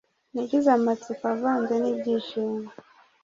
nagize amatsiko avanze n’ibyishimo